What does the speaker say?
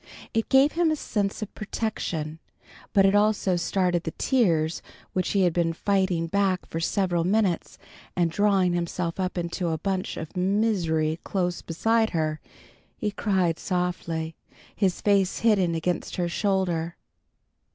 It gave him a sense of protection, but it also started the tears which he had been fighting back for several minutes, and drawing himself up into a bunch of misery close beside her, he cried softly, his face hidden against her shoulder.